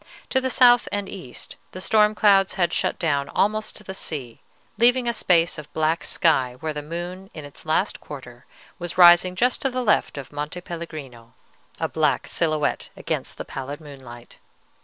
To the south and east the storm clouds had shut down almost to the sea, leaving a space of black sky where the moon in its last quarter was rising just to the left of Monte Pellegrino, a black silhouette against the pallid moonlight.